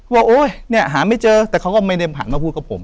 โอ๊ยเนี่ยหาไม่เจอแต่เขาก็ไม่ได้ผ่านมาพูดกับผม